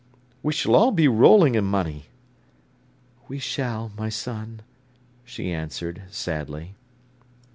We s'll all be rolling in money." "We shall, my son," she answered sadly.